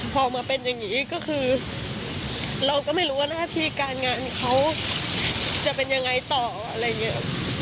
พอมาเป็นอย่างนี้ก็คือเราก็ไม่รู้ว่าหน้าที่การงานเขาจะเป็นยังไงต่ออะไรอย่างนี้